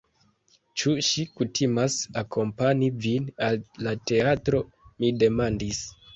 Ĉu ŝi kutimas akompani vin al la teatro? mi demandis.